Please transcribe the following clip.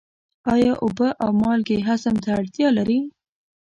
آیا اوبه او مالګې هضم ته اړتیا لري؟